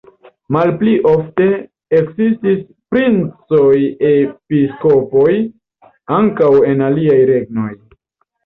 Malpli ofte ekzistis princoj-episkopoj ankaŭ en aliaj regnoj.